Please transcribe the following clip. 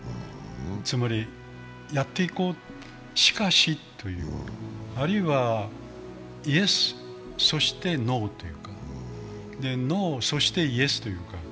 つまりやっていこう、しかしというあるいは、イエスそしてノーというか、ノーそしてイエスというか。